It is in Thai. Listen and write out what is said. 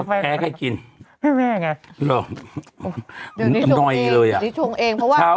กาแฟให้ไหมฮะกาแฟให้กินพี่แม่ไงหรอหน่อยเลยอ่ะเดี๋ยวนี้ชงเองเดี๋ยวนี้ชงเองเพราะว่า